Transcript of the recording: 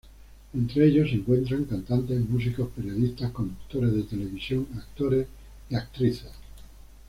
Entre ellos se encuentran cantantes, músicos, periodistas, conductores de televisión, actores y actrices.